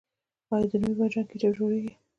آیا د رومي بانجان کیچپ جوړیږي؟